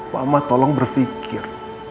mama tolong berfikir